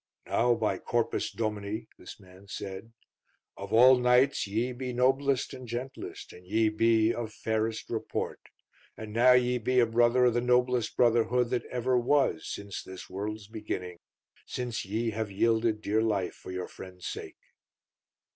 "Now, by Corpus Domini," this man said, "of all knights ye be noblest and gentlest, and ye be of fairest report, and now ye be a brother of the noblest brotherhood that ever was since this world's beginning, since ye have yielded dear life for your friends' sake."